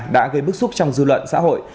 đã gây bức xúc trong dư luận xã hội